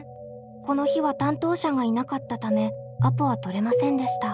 この日は担当者がいなかったためアポは取れませんでした。